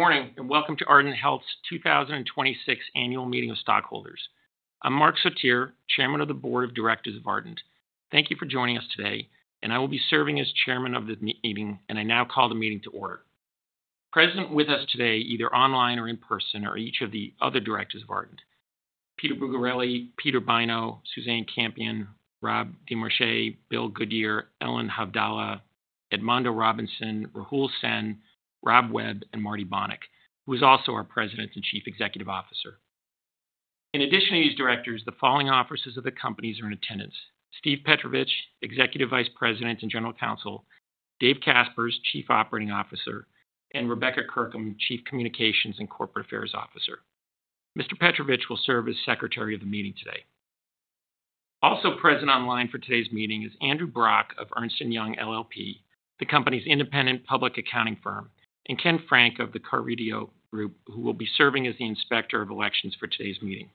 Good morning, and welcome to Ardent Health's 2026 Annual Meeting of Stockholders. I'm Mark Sotir, Chairman of the Board of Directors of Ardent. Thank you for joining us today. I will be serving as chairman of the meeting, and I now call the meeting to order. Present with us today, either online or in person, are each of the other directors of Ardent: Peter Bulgarelli, Peter Bynoe, Suzanne Campion, Rob DeMichiei, William Goodyear, Ellen Havdala, Edmondo Robinson, Rahul Sen, Robert Webb, and Marty Bonick, who is also our President and Chief Executive Officer. In addition to these directors, the following officers of the company are in attendance: Steve Petrovich, Executive Vice President and General Counsel, Dave Caspers, Chief Operating Officer, and Rebecca Kirkham, Chief Communications and Corporate Affairs Officer. Mr. Petrovich will serve as secretary of the meeting today. Also present online for today's meeting is Andrew Brock of Ernst & Young LLP, the company's independent public accounting firm, and Ken Frank of The Carideo Group, who will be serving as the inspector of elections for today's meeting.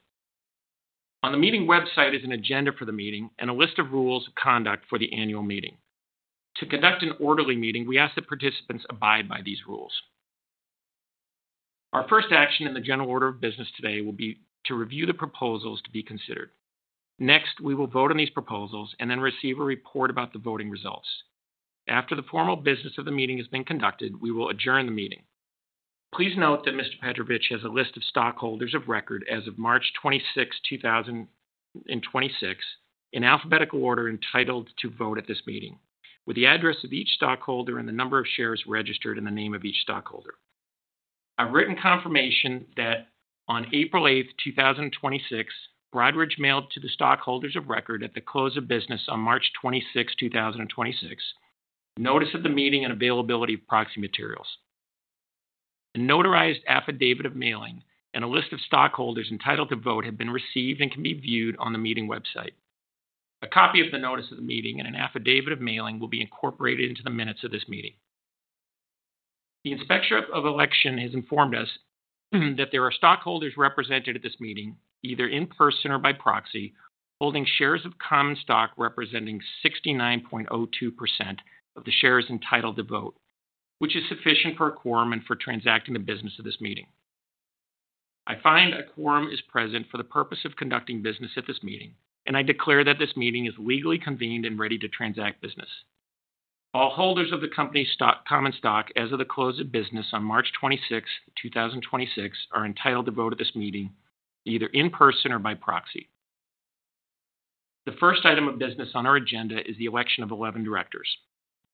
On the meeting website is an agenda for the meeting and a list of rules of conduct for the annual meeting. To conduct an orderly meeting, we ask that participants abide by these rules. Our first action in the general order of business today will be to review the proposals to be considered. Next, we will vote on these proposals and then receive a report about the voting results. After the formal business of the meeting has been conducted, we will adjourn the meeting. Please note that Mr. Petrovich has a list of stockholders of record as of March 26th, 2026, in alphabetical order, entitled to vote at this meeting, with the address of each stockholder and the number of shares registered in the name of each stockholder. I've written confirmation that on April 8th, 2026, Broadridge mailed to the stockholders of record at the close of business on March 26th, 2026, notice of the meeting and availability of proxy materials. A notarized affidavit of mailing and a list of stockholders entitled to vote have been received and can be viewed on the meeting website. A copy of the notice of the meeting and an affidavit of mailing will be incorporated into the minutes of this meeting. The inspector of election has informed us that there are stockholders represented at this meeting, either in person or by proxy, holding shares of common stock representing 69.02% of the shares entitled to vote, which is sufficient for a quorum and for transacting the business of this meeting. I find a quorum is present for the purpose of conducting business at this meeting, and I declare that this meeting is legally convened and ready to transact business. All holders of the company's common stock as of the close of business on March 26th, 2026, are entitled to vote at this meeting, either in person or by proxy. The first item of business on our agenda is the election of 11 directors.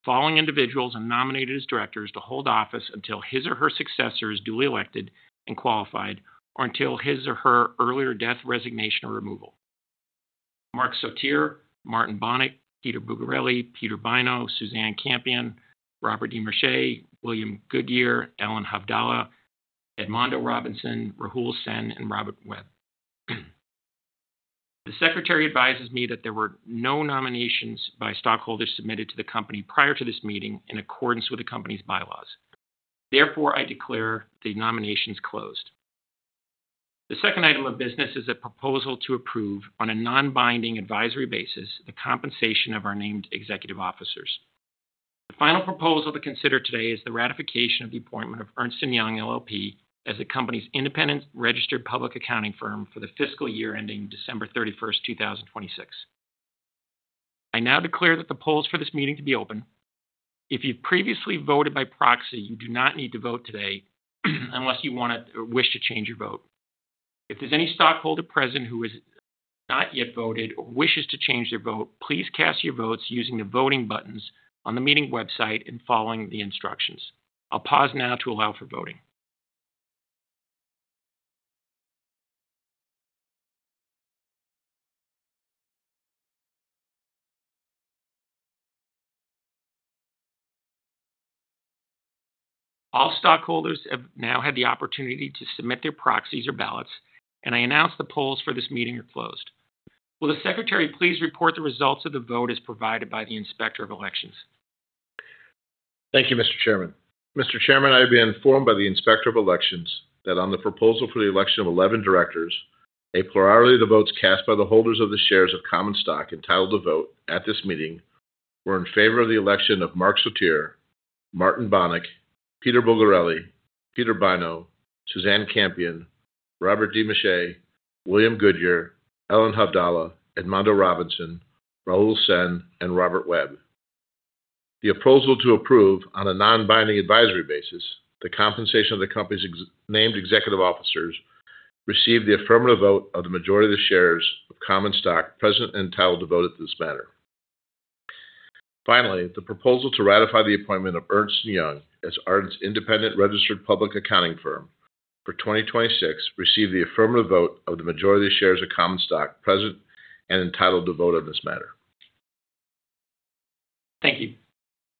The following individual is nominated as directors to hold office until his or her successor is duly elected and qualified, or until his or her earlier death, resignation, or removal: Mark Sotir, Martin Bonick, Peter Bulgarelli, Peter Bynoe, Suzanne Campion, Robert DeMichiei, William Goodyear, Ellen Havdala, Edmondo Robinson, Rahul Sen, and Robert Webb. The secretary advises me that there were no nominations by stockholders submitted to the company prior to this meeting in accordance with the company's bylaws. I declare the nominations closed. The second item of business is a proposal to approve, on a non-binding advisory basis, the compensation of our named executive officers. The final proposal to consider today is the ratification of the appointment of Ernst & Young LLP as the company's independent registered public accounting firm for the fiscal year ending December 31st, 2026. I now declare that the polls for this meeting can be open. If you've previously voted by proxy, you do not need to vote today, unless you wish to change your vote. If there's any stockholder present who has not yet voted or wishes to change their vote, please cast your votes using the voting buttons on the meeting website and following the instructions. I'll pause now to allow for voting. All stockholders have now had the opportunity to submit their proxies or ballots, and I announce the polls for this meeting are closed. Will the secretary please report the results of the vote as provided by the Inspector of Elections? Thank you, Mr. Chairman. Mr. Chairman, I have been informed by the inspector of elections that on the proposal for the election of 11 directors, a plurality of the votes cast by the holders of the shares of common stock entitled to vote at this meeting were in favor of the election of Mark Sotir, Marty Bonick, Peter Bulgarelli, Peter Bynoe, Suzanne Campion, Robert DeMichiei, William Goodyear, Ellen Havdala, Edmondo Robinson, Rahul Sen, and Robert Webb. The proposal to approve, on a non-binding advisory basis, the compensation of the company's named executive officers received the affirmative vote of the majority of the shares of common stock present and entitled to vote at this matter. Finally, the proposal to ratify the appointment of Ernst & Young as Ardent's independent registered public accounting firm for 2026 received the affirmative vote of the majority of the shares of common stock present and entitled to vote on this matter. Thank you.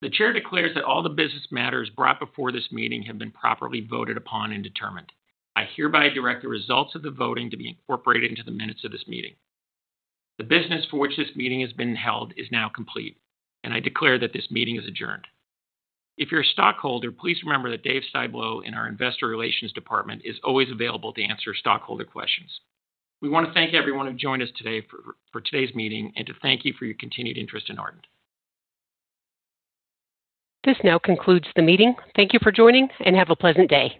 The chair declares that all the business matters brought before this meeting have been properly voted upon and determined. I hereby direct the results of the voting to be incorporated into the minutes of this meeting. The business for which this meeting has been held is now complete, and I declare that this meeting is adjourned. If you're a stockholder, please remember that David Stiblo in our Investor Relations department is always available to answer stockholder questions. We want to thank everyone who joined us today for today's meeting and to thank you for your continued interest in Ardent. This now concludes the meeting. Thank you for joining, and have a pleasant day.